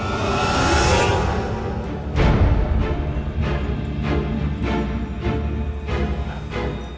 amin ya rabbal alamin